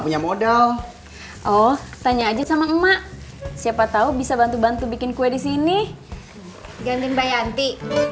punya modal oh tanya aja sama emak siapa tahu bisa bantu bantu bikin kue di sini ganti mbak yanti